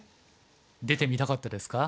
出てみたかったですか？